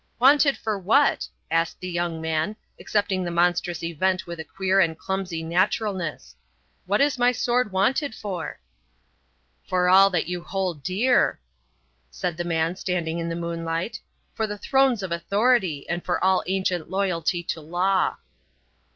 "Wanted for what?" asked the young man, accepting the monstrous event with a queer and clumsy naturalness; "what is my sword wanted for?" "For all that you hold dear," said the man standing in the moonlight; "for the thrones of authority and for all ancient loyalty to law."